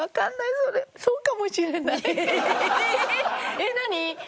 えっ何？